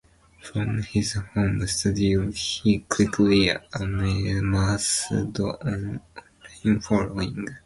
From his home studio he quickly amassed an online following.